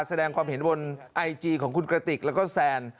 แสดงความเห็นบนไอจีของคุณกระติกแล้วก็แซน